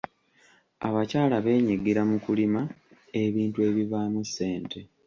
Abakyala beenyigira mu kulima ebintu ebivaamu ssente.